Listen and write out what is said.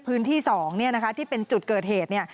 พื้นที่๒ที่เป็นจุดเกิดเหตุ